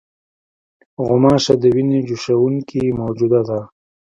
غوماشه د وینې چوشوونکې موجوده ده.